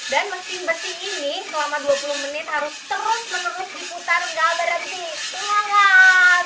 dan mesin mesin ini selama dua puluh menit harus terus menerus diputar gak berhenti